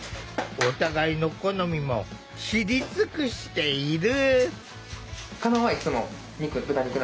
お互いの好みも知り尽くしている。